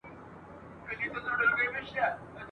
ورځي ستړو منډو یووړې شپې د ګور غیږي ته لویږي ..